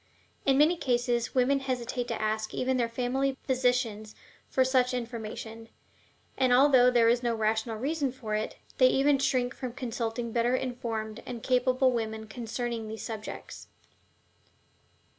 In many cases women hesitate to ask even their family physicians for such information, and, although there is no rational reason for it, they even shrink from consulting better informed and capable women concerning these subjects.